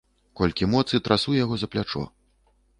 Колькі моцы, трасу яго за плячо.